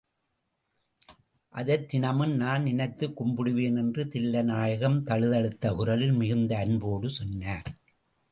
அதைத் தினமும் நான் நினைத்துக் கும்பிடுவேன் என்று தில்லை நாயகம் தழுதழுத்த குரலில் மிகுந்த அன்போடு சொன்னார்.